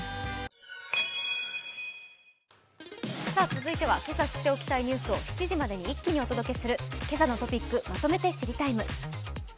続いては、けさ知っておきたいニュースを７時まで一気にお届けする「けさのトピックまとめて知りＴＩＭＥ，」。